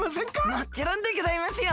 もちろんでギョざいますよ！